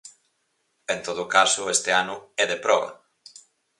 En todo caso, este ano é de proba.